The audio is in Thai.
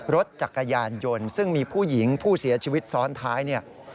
รถจักรยานยนต์ซึ่งมีผู้หญิงผู้เสียชีวิตซ้อนท้ายเนี่ย